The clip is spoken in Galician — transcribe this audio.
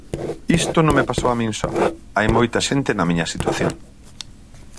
Isto non me pasou a min só, hai moita xente na miña situación.